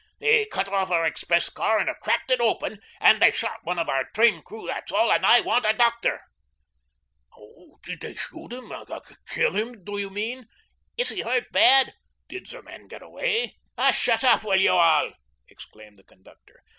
They cut off our express car and have cracked it open, and they shot one of our train crew, that's all, and I want a doctor." "Did they shoot him kill him, do you mean?" "Is he hurt bad?" "Did the men get away?" "Oh, shut up, will you all?" exclaimed the conductor.